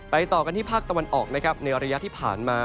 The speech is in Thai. ไปต่อกันที่ภาคตะวันออกในอรยะที่ผ่านมา